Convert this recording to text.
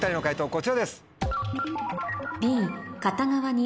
こちらです。